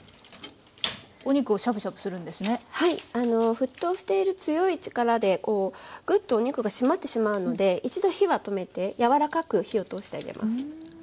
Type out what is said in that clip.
沸騰している強い力でこうぐっとお肉が締まってしまうので一度火は止めて柔らかく火を通してあげます。